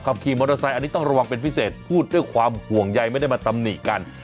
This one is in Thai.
ขี่มอเตอร์ไซค์อันนี้ต้องระวังเป็นพิเศษพูดด้วยความห่วงใยไม่ได้มาตำหนิกัน